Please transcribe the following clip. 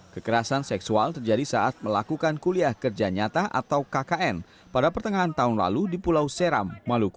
kekerasan seksual terjadi saat melakukan kuliah kerja nyata atau kkn pada pertengahan tahun lalu di pulau seram maluku